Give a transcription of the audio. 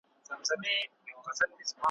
یوې لمبې به سوځولی یمه `